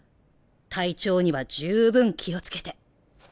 体調には十分気をつけて。